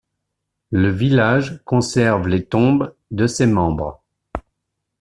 Le village conserve les tombes de ses membres.